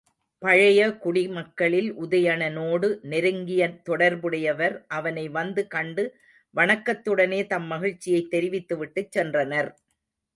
பழைய குடிமக்களில் உதயணனோடு நெருங்கிய தொடர்புடையவர் அவனை வந்து கண்டு வணக்கத்துடனே தம் மகிழ்ச்சியைத் தெரிவித்துவிட்டுச் சென்றனர்.